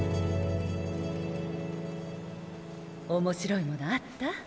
面白いものあった？